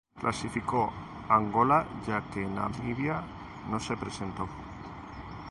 Clasificó Angola ya que Namibia no se presentó.